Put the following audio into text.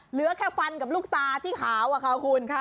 เหลือแค่ฟันกับลูกตาที่ขาวอะค่ะคุณ